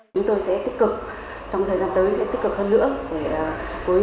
chúng tôi sẽ tích cực trong thời gian tới sẽ tích cực hơn nữa để